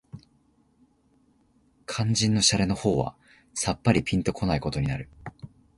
肝腎の洒落の方はさっぱりぴんと来ないことになる